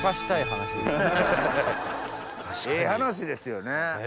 ええ話ですよね。